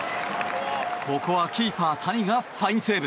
ここはキーパー、谷がファインセーブ。